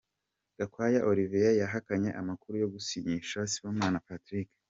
Gakwaya Olivier yahakanye amakuru yo gusinyisha Sibomana Patrick.